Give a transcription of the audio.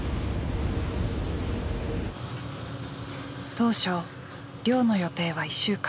当初漁の予定は１週間。